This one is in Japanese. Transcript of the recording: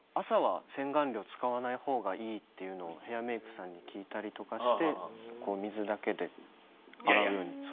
朝は洗顔料使わないほうがいいっていうのをヘアメイクさんに聞いたりとかして水だけで洗うように。